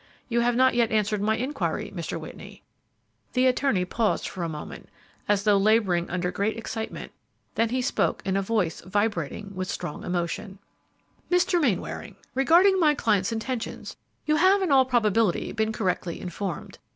You have not yet answered my inquiry, Mr. Whitney." The attorney paused for a moment, as though laboring under great excitement, then he spoke in a tone vibrating with strong emotion, "Mr. Mainwaring, regarding my client's intentions, you have, in all probability, been correctly informed.